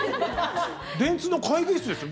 電通の会議室ですよ。